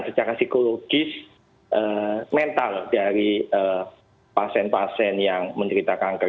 dan secara psikologis mental dari pasien pasien yang menderita kanker